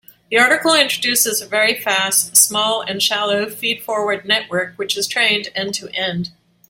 The article introduces a very fast, small, and shallow feed-forward network which is trained end-to-end.